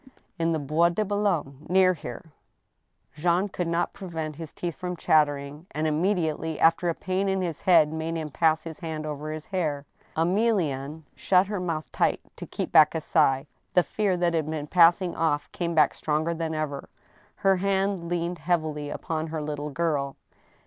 "In the Bois de Boulogne; near here." Jean could not prevent his teeth from chattering, and immedi ately after a pain in his head made him pass his hand over his hair. Emilienne shut her mouth tight to keep back a sigh. The fear that had been passing off came back stronger than ever. Her hand leaned heavily upon her little girl.